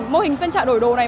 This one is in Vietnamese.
mô hình phiên trạng đổi đồ này